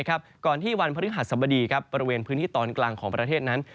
ก่อนที่วันพฤหัสสบดีบริเวณพื้นที่ตอนกลางของประเทศนั้น